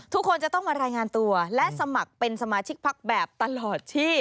ทุกคนจะต้องมารายงานตัวและสมัครเป็นสมาชิกพักแบบตลอดที่